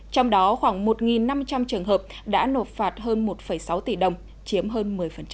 trong đó khoảng một năm trăm linh trường hợp đã nộp phạt hơn một sáu tỷ đồng chiếm hơn một mươi